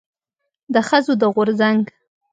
د ښځو د غورځنګ